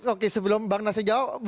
oke sebelum bang nasir jawab